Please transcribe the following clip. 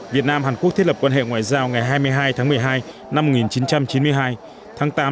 việt nam hàn quốc thiết lập quan hệ ngoại giao ngày hai mươi hai tháng một mươi hai năm một nghìn chín trăm chín mươi hai tháng tám